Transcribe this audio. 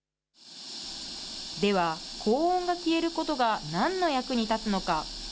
では、高音が消えることがなんの役に立つのか。